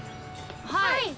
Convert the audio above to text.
はい。